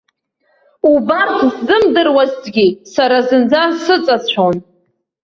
Убарҭ сзымдыруазҭг ьы, сара зынӡа сыҵацәон.